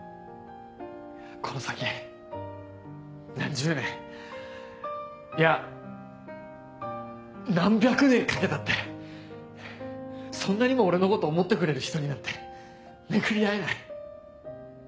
この先何十年いや何百年かけたってそんなにも俺のこと思ってくれる人になんて巡り会えない。